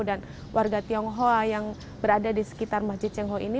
warga tionghoa yang berada di sekitar masjid cengho ini